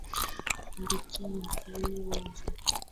benki kuu ya tanzania ina mjukumu makubwa